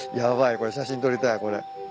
これ写真撮りたいこれ。